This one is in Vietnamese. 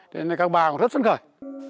nên các bà cũng rất sẵn sàng